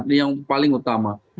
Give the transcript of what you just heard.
ini yang paling utama